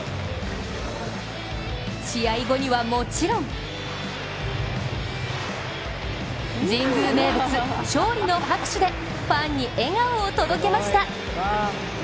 試合後にはもちろん神宮名物、勝利の拍手でファンに笑顔を届けました。